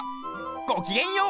ごきげんよう！